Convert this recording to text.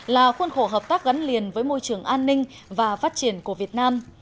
là khuôn khổ hợp tác gắn liền với môi trường an ninh và phát triển của việt nam